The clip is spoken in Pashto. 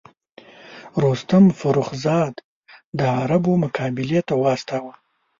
رستم فرُخ زاد د عربو مقابلې ته واستاوه.